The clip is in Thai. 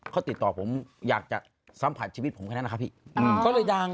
เขาติดต่อผมอยากจะสัมผัสชีวิตผมด้วยนั้นอ่ะครับพี่